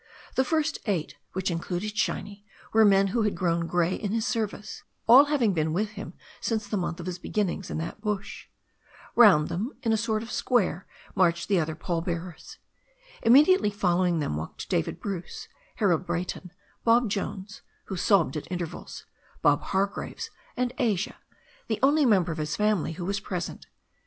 The first eight, which included Shiny, were men who had grown g^ey in his service, all having been with him since the month of his beginnings in that bush. Round them in a sort of THE STORY OF A NEW ZEALAND RIVER 417 square marched the other pall bearers. Immediately fol lowing them walked David Bruce, Harold Brayton, Bob Jones, who sobbed at intervals, Bob Hargraves, and Asia, the only member of his family who was present.